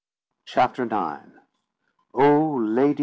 CHAPTER IX "O lady!